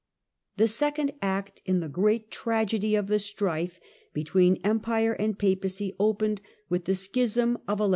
The second act in the great tragedy of the strife between Empire and Papacy opened with the schism of 1159.